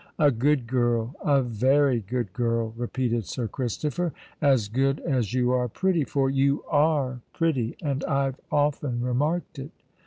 "A good girl—a very good girl!" repeated Sir Christopher: "as good as you are pretty—for you are pretty—and I've often remarked it."